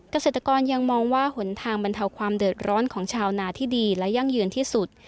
เกษตรกรยังมองว่าหนทางบรรเทาความเดือดร้อนของชาวนาที่ดีและยั่งยืนที่สุด